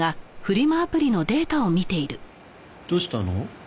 どうしたの？